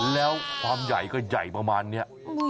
แล้วความใหญ่ก็ใหญ่ประมาณนี้